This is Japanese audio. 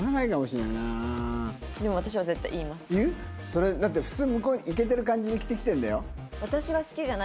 それだって普通向こうイケてる感じで着てきてるんだよ？